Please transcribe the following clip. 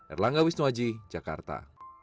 erlangga wisnuwaji jakarta